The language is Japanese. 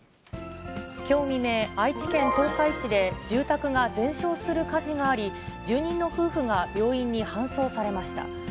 きょう未明、愛知県東海市で住宅が全焼する火事があり、住人の夫婦が病院に搬送されました。